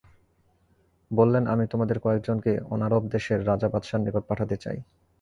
বললেন, আমি তোমাদের কয়েকজনকে অনারব দেশের রাজা বাদশাহদের নিকট পাঠাতে চাই।